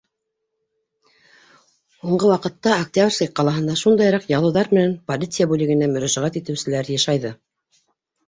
Һуңғы ваҡытта Октябрьский ҡалаһында шундайыраҡ ялыуҙар менән полиция бүлегенә мөрәжәғәт итеүселәр йышайҙы.